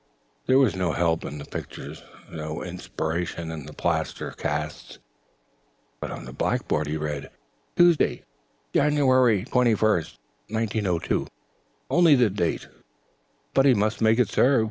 There was no help in the pictures, no inspiration in the plaster casts, but on the blackboard he read, "Tuesday, January twenty first, 1902." Only the date, but he must make it serve.